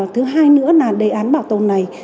thứ hai nữa là đề án bảo tồn này